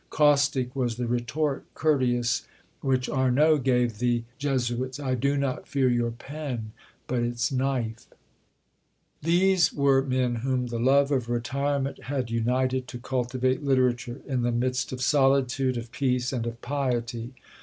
Caustic was the retort courteous which Arnauld gave the Jesuits "I do not fear your pen, but its knife." These were men whom the love of retirement had united to cultivate literature, in the midst of solitude, of peace, and of piety.